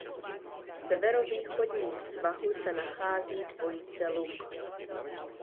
V severovýchodním svahu se nachází dvojice luk.